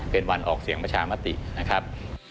เป็นวันออกเสียงประชามตินะครับ